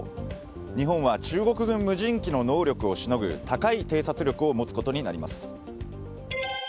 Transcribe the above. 日本は中国軍無人機の能力をしのぐ高い偵察力を持つことになります。